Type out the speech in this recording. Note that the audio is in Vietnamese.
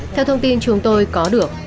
theo thông tin chúng tôi có được